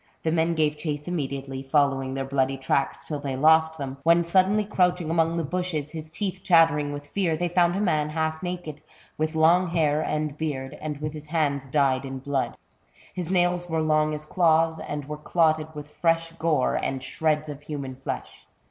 The men gave chase immediately, following their bloody tracks till they lost them; when suddenly crouching among the bushes, his teeth chattering with fear, they found a man half naked, with long hair and beard, and with his hands dyed in blood. His nails 6 82 THE BOOK OF WERE WOLVBS. wero long as claws, and were clotted with fresh gore, and shreds of human flesh.